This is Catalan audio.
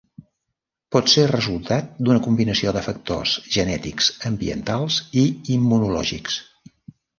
Pot ser resultat d'una combinació de factors genètics, ambientals i immunològics.